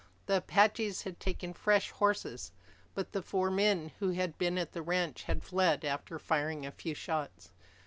The Apaches had taken fresh horses. But the four men who had been at the ranch had fled after firing a few shots.